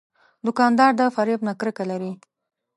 دوکاندار د فریب نه کرکه لري.